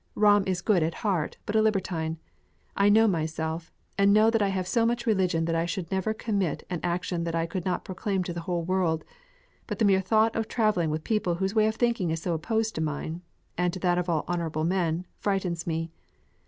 Ramm is good at heart, but a libertine. I know myself, and know that I have so much religion that I should never commit an action that I could not proclaim to the whole world; but the mere thought of travelling with people whose way of thinking is so opposed to mine (and to that of all honourable men) frightens me.